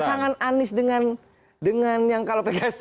pasangan anies dengan yang kalau pks